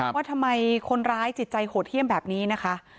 ว่าทำไมคนร้ายจิตใจโหดเยี่ยมแบบนี้นะคะ